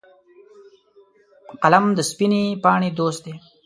قلم د سپینې پاڼې دوست دی